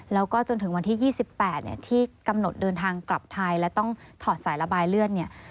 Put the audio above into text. แล้วก็จนถึงวันที่๒๘เนี่ยที่กำหนดเดินทางกลับไทยและต้องถอดสายระบายเลือดเนี่ย